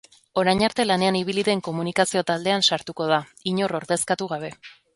Orain arte lanean ibili den komunikazio taldean sartuko da, inor ordezkatu gabe.